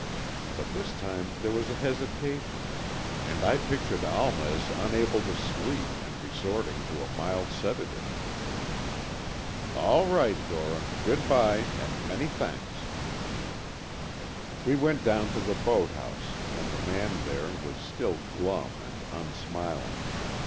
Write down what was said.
But this time there was hesitation, and I pictured Alma as unable to sleep and resorting to a mild sedative. "All right, Dora, good bye, and many thanks." We went down to the boathouse, and the man there was still glum and unsmiling.